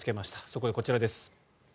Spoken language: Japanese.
そこでこちらです。